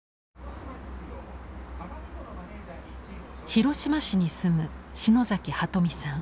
広島市に住む篠崎鳩美さん。